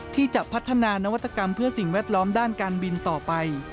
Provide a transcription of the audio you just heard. ที่จะพัฒนานวัตกรรมเพื่อสิ่งแวดล้อมด้านการบินต่อไป